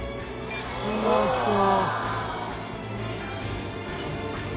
うまそう。